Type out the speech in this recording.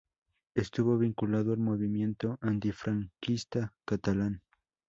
Estuvo vinculado al movimiento antifranquista catalán.